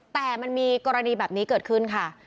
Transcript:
แต่มันมีกรณีแบบนี้เกิดขึ้นค่ะ